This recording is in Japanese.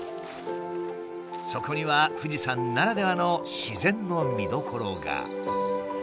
そこには富士山ならではの自然の見どころが。